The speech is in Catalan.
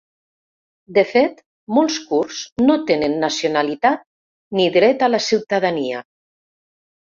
De fet, molts kurds no tenen nacionalitat ni dret a la ciutadania.